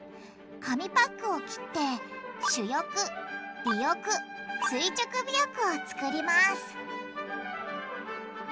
紙パックを切って主翼尾翼垂直尾翼を作ります